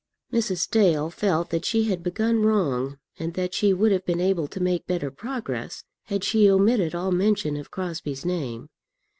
Mrs. Dale felt that she had begun wrong, and that she would have been able to make better progress had she omitted all mention of Crosbie's name.